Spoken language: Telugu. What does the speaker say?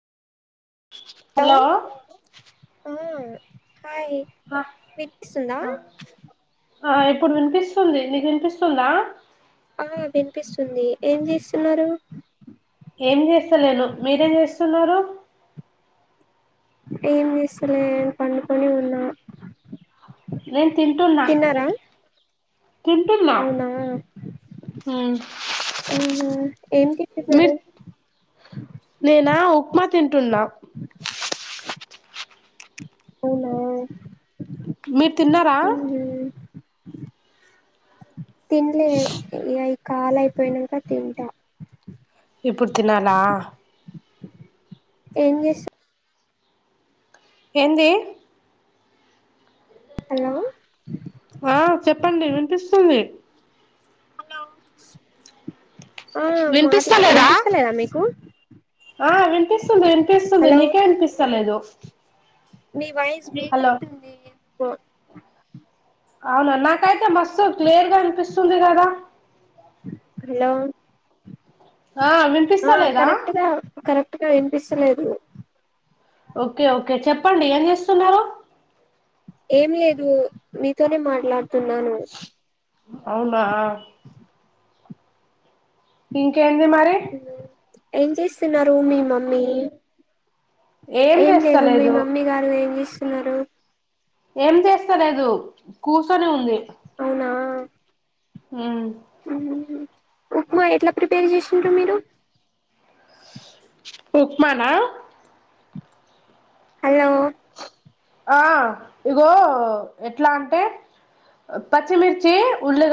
హలో ఆ హాయ్ వినిపిస్తుందా ఎప్పుడు వినిపిస్త స్తుంది నీకు వినిపిస్తుందా ఆ వినిపిస్తుంది ఏం చేస్తున్నారు ఏమి చేస్తలేను మీరేం చేస్తున్నారు ఏం చేస్తలేని పండుకొని ఉన్నా నేను తింటున్నా తిన్నారా తింటున్నా అవునా ఉమ్ ఆహా ఏం తింటున్నారు మీరు నేనా ఉప్మా తింటున్నా అవునా మీరు తిన్నారా తినలే అవి కాాల అయిపోయినాక తింటా ఇప్పుడు తినాలా ఏం చేసి ఎంది హలో ఆ చెప్పండి వినిపిస్తుంది హలో వినిపిస్తాలేదా మీకు ఆ వినిపిస్తుంది వినిపిస్తుంది నీకే వినిపిస్తాలేదు నీ వాయిస్ బ్రేక్ అయితుంది పొ అవును నాకైతే మస్తు క్లియర్ గా అనిపిస్తుంది కదా హలో ఆ వినిపిస్త లేదా అక్క వినిపిస్త లేదూ ఓకే ఓకే చెప్పండి ఏం చేస్తున్నారు. ఏం లేదు మీతోనే మాట్లాడు అవునా ఇంకేంది మరి ఏం చేస్తున్నారు మీ మమ్మీ ఏం లేదు మీ మమ్మీ గారు ఏం చేస్ స్థన్నారు. ఏం చేస్తలేదు కూర్చొని ఉంది. అవునా ఆ ఉప్మా ఎట్ల ప్రిపేర్ చేసిండ్రు మీరు ఉప్మానా హల్లో ఆ ఇగో ఎట్లా అంటే పచ్చిమిర్చి ఉల్లిగ